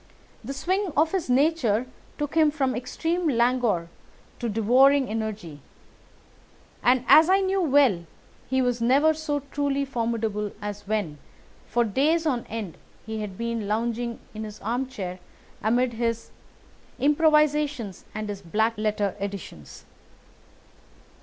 The swing of his nature took him from extreme languor to devouring energy; and, as I knew well, he was never so truly formidable as when, for days on end, he had been lounging in his armchair amid his improvisations and his black letter editions.